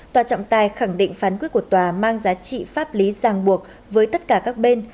tòa trọng tài khẳng định phán quyết của tòa mang giá trị pháp lý ràng buộc với tất cả các bên